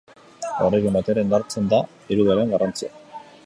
Horrekin batera indartzen da irudiaren garrantzia.